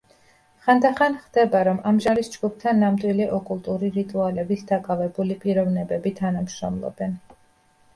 ხანდახან ხდება, რომ ამ ჟანრის ჯგუფთან ნამდვილი ოკულტური რიტუალებით დაკავებული პიროვნებები თანამშრომლობენ.